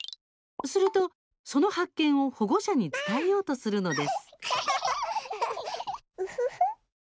すると、その発見を保護者に伝えようとするのです。